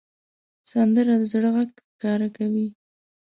سندره د زړه غږ ښکاره کوي